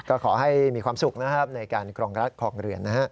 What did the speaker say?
ก็ขอให้มีความสุขนะครับในการครองรัฐครองเรือนนะฮะ